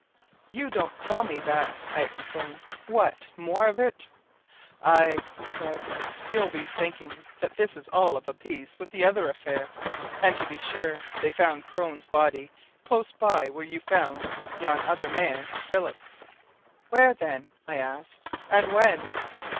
"You don't tell me that!" I exclaimed. "What! more of it?" "Aye!" he said. "You'll be thinking that this is all of a piece with the other affair. And to be sure, they found Crone's body close by where you found yon other man Phillips." "Where, then?" I asked. "And when?"